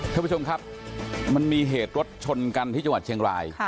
ท่านผู้ชมครับมันมีเหตุรถชนกันที่จังหวัดเชียงราย